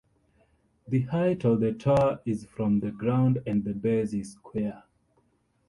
The height of the tower is from the ground and the base is square.